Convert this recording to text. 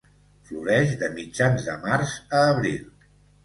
Floreix de mitjans de març a abril.